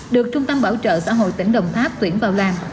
được trung tâm bảo trợ xã hội tỉnh đồng tháp tuyển vào làm